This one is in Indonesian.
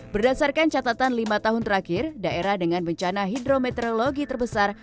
berdasarkan catatan lima tahun terakhir daerah dengan bencana hidrometeorologi terbesar